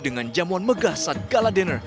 dengan jamuan megah satgala dinner